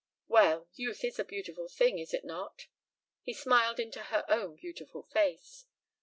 "Well youth is a beautiful thing is it not?" He smiled into her own beautiful face.